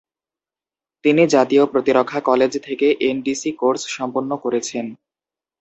তিনি জাতীয় প্রতিরক্ষা কলেজ থেকে এনডিসি কোর্স সম্পন্ন করেছেন।